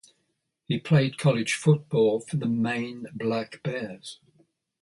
He played college football for the Maine Black Bears.